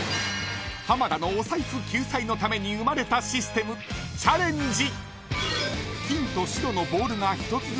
［浜田のお財布救済のために生まれたシステムチャレンジ］